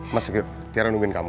mas tiara nungguin kamu